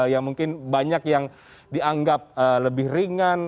yang mungkin banyak yang dianggap lebih ringan